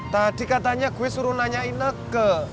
tadi katanya gue suruh nanya ineke